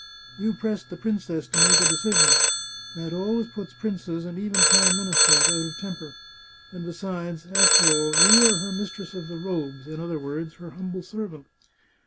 " You pressed the princess to make a decision ; that always puts princes, and even prime ministers, out of tem per. And besides, after all, you are her mistress of the robes ; in other words, her humble servant.